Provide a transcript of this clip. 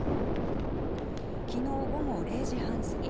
昨日午後０時半過ぎ